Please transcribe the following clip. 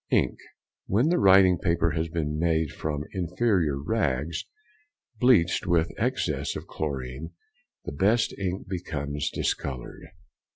Ink.—When the writing paper has been made from inferior rags bleached with excess of chlorine the best ink becomes discoloured.